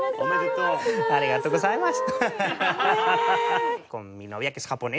ありがとうございます。